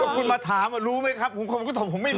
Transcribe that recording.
ว่าคุณมาถามรู้ไหมครับผมก็ตอบผมไม่รู้